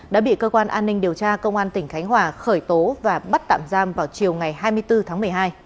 đã bị cơ quan an ninh điều tra công an tỉnh khánh hòa khởi tố và bắt tạm giam vào chiều ngày hai mươi bốn tháng một mươi hai